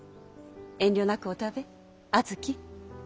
遠慮なくお食べ阿月。